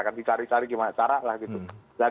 akan dicari cari gimana caralah gitu